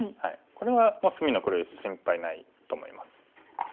これは隅の黒石心配ないと思います。